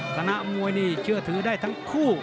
คณะมวยนี่เชื่อถือได้ทั้งคู่